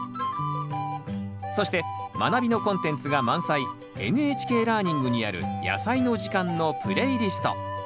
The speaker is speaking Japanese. そして「まなび」のコンテンツが満載「ＮＨＫラーニング」にある「やさいの時間」のプレイリスト。